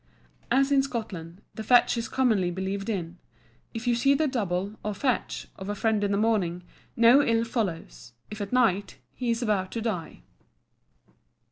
As in Scotland, the fetch is commonly believed in. If you see the double, or fetch, of a friend in the morning, no ill follows; if at night, he is about to die.